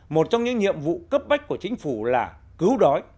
một trong những nhiệm vụ cấp bách của chính phủ là cứu đói